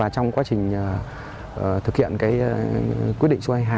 trong quá trình thực hiện quyết định số hai mươi hai